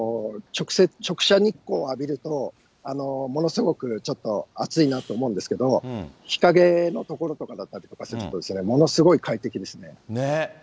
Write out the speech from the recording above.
直射日光を浴びると、ものすごく、ちょっと暑いなと思うんですけど、日陰の所とかだったりとかすると、ものすごい快適ですね。